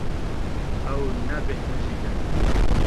Ew nebêhnijîne.